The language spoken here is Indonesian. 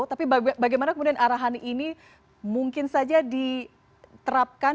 tapi bagaimana kemudian arahan ini mungkin saja diterapkan